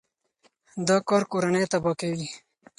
دا کار کورنۍ تباه کوي.